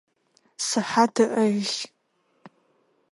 Сыхьат ыӏэ илъ.